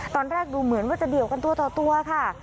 ตอนแรกดูเหมือนว่าจะเดี่ยวกันตัวต่อตัวค่ะ